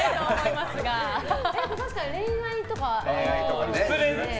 でも確かに恋愛とか。